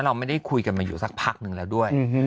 เราไม่ได้คุยกันมาอยู่สักพักหนึ่งแล้วด้วย